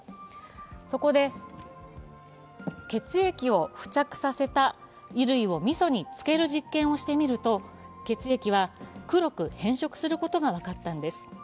そこで、血液を付着させた衣類をみそに漬ける実験をしてみると血液は黒く変色することが分かったんです。